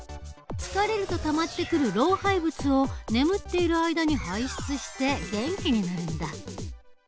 疲れるとたまってくる老廃物を眠っている間に排出して元気になるんだ。